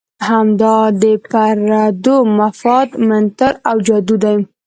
همدا د پردو مفاد منتر او جادو دی.